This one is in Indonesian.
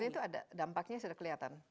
jadi itu ada dampaknya sudah kelihatan